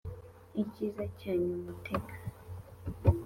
icyiza cyanyu mutega